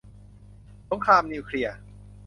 สงครามนิวเคลียร์